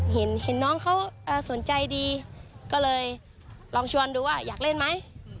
เห็นน้องเขาสนใจดีก็เลยลองชวนดูว่าอยากเล่นไหม